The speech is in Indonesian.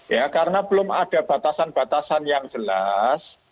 ya karena belum ada batasan batasan yang jelas